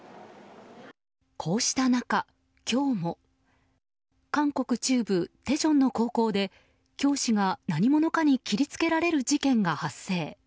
こうした中、今日も韓国中部テジョンの高校で教師が何者かに切りつけられる事件が発生。